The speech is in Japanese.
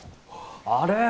あれ？